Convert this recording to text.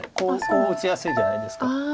こう打ちやすいじゃないですか。